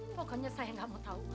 pokoknya saya gak mau tau